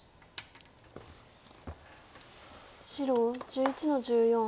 白１１の十四。